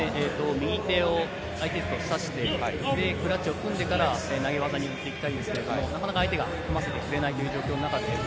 右手を相手に差して、クラッチを組んでから左技に持っていきたいんですが、なかなか組ませてもらえないという感じです。